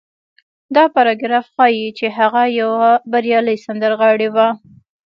دا پاراګراف ښيي چې هغه يوه بريالۍ سندرغاړې وه.